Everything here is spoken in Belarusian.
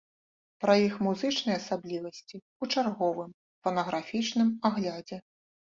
Пра іх музычныя асаблівасці ў чарговым фанаграфічным аглядзе.